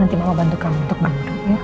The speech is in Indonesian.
nanti mama bantu kamu untuk mengelola budu ya